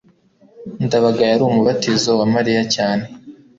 ndabaga yari umubatizo wa mariya cyane